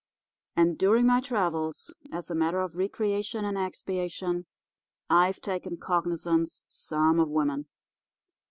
And during my travels, as a matter of recreation and expiation, I've taken cognisance some of women.